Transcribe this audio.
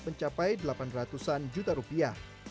mencapai delapan ratus an juta rupiah